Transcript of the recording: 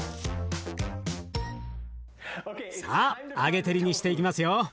さあ揚げ照りにしていきますよ。